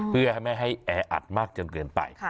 เพื่อให้ไม่ให้แออัดมากจนเกินไป